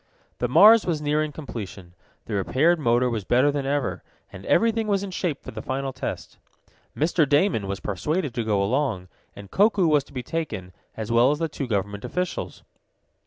The Mars was nearing completion. The repaired motor was better than ever, and everything was in shape for the final test. Mr. Damon was persuaded to go along, and Koku was to be taken, as well as the two government officials.